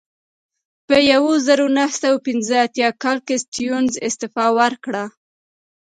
په یوه زرو نهه سوه پنځه اتیا کال کې سټیونز استعفا ورکړه.